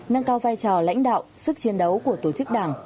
nâng cao vai trò lãnh đạo sức chiến đấu của tổ chức đảng